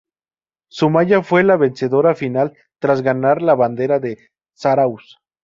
Zumaya fue la vencedora final tras ganar la bandera de Zarauz.